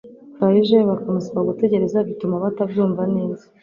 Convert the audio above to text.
farg bakamusaba gutegereza bituma batabyumva neza